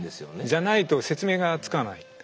じゃないと説明がつかない。